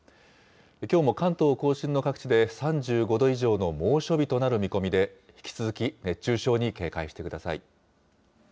きょうも関東甲信の各地で３５度以上の猛暑日となる見込みで、引き続き熱中症に警戒してください。